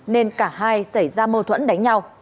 nên cả hai xảy ra mâu thuẫn đánh nhau